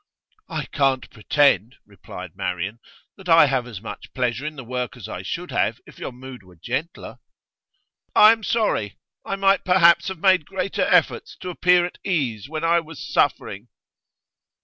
'I can't pretend,' replied Marian, 'that I have as much pleasure in the work as I should have if your mood were gentler.' 'I am sorry. I might perhaps have made greater efforts to appear at ease when I was suffering.